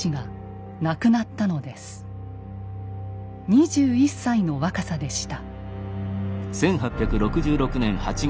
２１歳の若さでした。